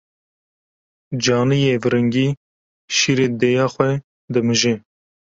Caniyê viringî şîrê dêya xwe dimije.